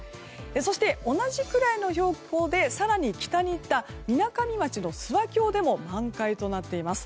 そして、同じくらいの標高で更に北に行ったみなかみ町の諏訪峡でも満開となっています。